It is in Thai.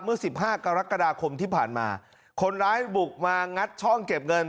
สิบห้ากรกฎาคมที่ผ่านมาคนร้ายบุกมางัดช่องเก็บเงิน